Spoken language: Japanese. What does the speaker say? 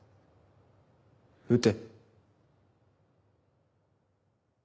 撃て。